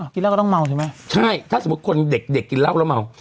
กินเหล้าก็ต้องเมาใช่ไหมใช่ถ้าสมมุติคนเด็กเด็กกินเหล้าแล้วเมา